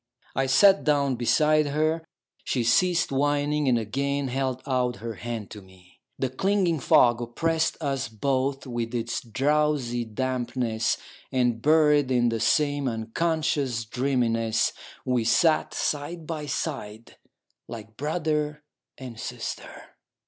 I sat down beside her ; she ceased whining, and again held out her hand to me. The clinging fog oppressed us both with its drowsy dampness ; and buried in the same un 318 POEMS IN PROSE conscious dreaminess, we sat side by side like brother and sister.